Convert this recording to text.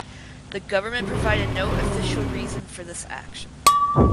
The government provided no official reason for this action.